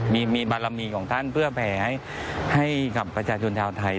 มีบารมีของท่านเพื่อแผลให้กับประชาชนชาวไทย